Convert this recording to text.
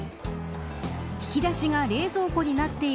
引き出しが冷蔵庫になっている